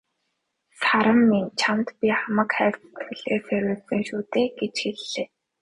"Саран минь чамд би хамаг хайр сэтгэлээ зориулсан шүү дээ" гэж хэллээ.